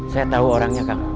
saya tau orangnya kang